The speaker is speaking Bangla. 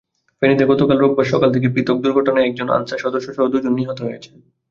ফেনীতে গতকাল রোববার সকালে পৃথক সড়ক দুর্ঘটনায় একজন আনসার সদস্যসহ দুজন নিহত হয়েছেন।